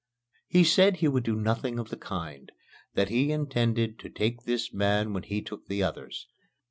He said he would do nothing of the kind that he intended to take this man when he took the others.